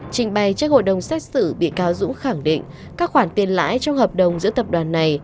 trình bày trước hội đồng xét xử bị cáo dũng khẳng định các khoản tiền lãi trong hợp đồng giữa tập đoàn này